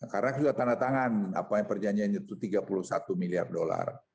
karena sudah tanda tangan perjanjiannya itu tiga puluh satu miliar dolar